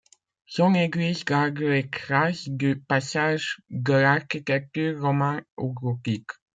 Son église garde les traces du passage de l'architecture romane au gothique.